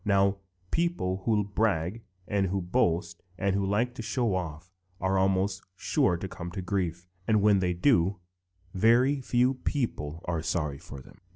Now people who brag and boast and who like to show off are almost sure to come to grief. And when they do, very few people are sorry for them.